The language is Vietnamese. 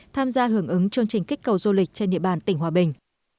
tham gia hưởng ứng chương trình kích cầu du lịch trên địa bàn tỉnh hòa bình